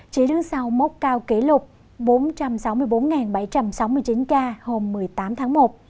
chỉ đứng sau mốc cao kỷ lục bốn trăm sáu mươi bốn bảy trăm sáu mươi chín ca hôm một mươi tám tháng một